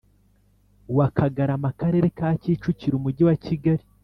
Wa kagarama akarere ka kicukiro umujyi wa kigali